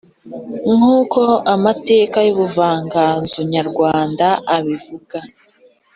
Nkuko amateka y’ubuvanganzo nyarwanda abigaragaza